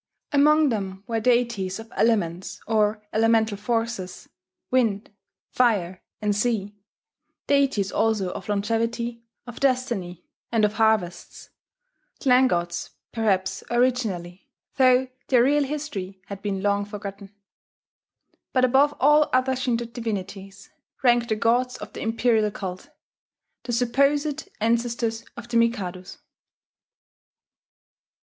Among them were deities of elements or elemental forces, Wind, Fire, and Sea, deities also of longevity, of destiny, and of harvests, clan gods, perhaps, originally, though their real history had been long forgotten. But above all other Shinto divinities ranked the gods of the Imperial Cult, the supposed ancestors of the Mikados.